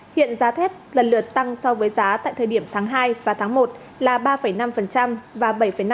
hiện giá thép lần lượt tăng so với giá tại thời điểm tháng hai và tháng một là ba năm và bảy năm